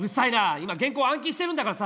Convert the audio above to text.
今原稿暗記してるんだからさ